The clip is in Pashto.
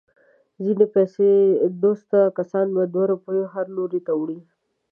ځنې پیسه دوسته کسان په دوه روپیو هر لوري ته اوړي.